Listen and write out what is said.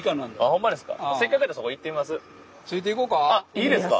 いいですか？